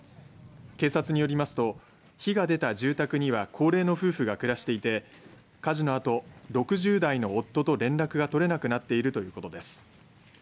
警察によりますと火が出た住宅には高齢の夫婦が暮らしていて火事のあと６０代の夫と連絡が取れなくなっているということです。